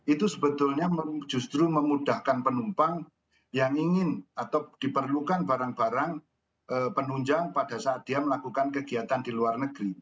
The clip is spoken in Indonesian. itu sebetulnya justru memudahkan penumpang yang ingin atau diperlukan barang barang penunjang pada saat dia melakukan kegiatan di luar negeri